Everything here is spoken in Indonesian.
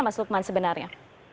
mas lukman sebenarnya